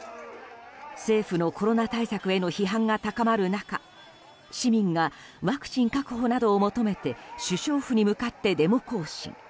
政府のコロナ対策への批判が高まる中市民がワクチン確保などを求めて首相府に向かってデモ行進。